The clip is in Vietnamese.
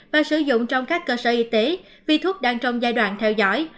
và sử dụng trong các cơ sở y tế vì thuốc đang trong giai đoạn theo dõi